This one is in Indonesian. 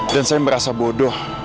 dan saya merasa bodoh